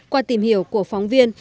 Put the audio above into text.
qua tìm hiểu của phóng viên